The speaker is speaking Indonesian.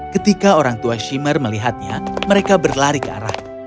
ketika orang tua shimmer melihatnya mereka berlari ke arah